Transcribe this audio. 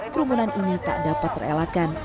kerumunan ini tak dapat terelakkan